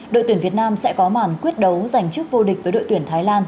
đội tuyển việt nam sẽ có màn quyết đấu giành chức vô địch với đội tuyển thái lan